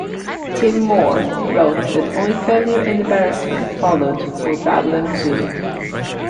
Tim Moore wrote that "only failure and embarrassment" followed for Babylon Zoo.